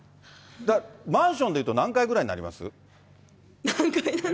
だからマンションでいうと何階ぐらいになります？